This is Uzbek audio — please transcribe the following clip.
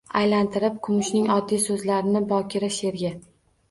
Aylantirib Kumushning oddiy soʻzlarini bokira sheʼrga.